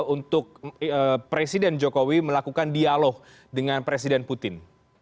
untuk presiden jokowi melakukan dialog dengan presiden putin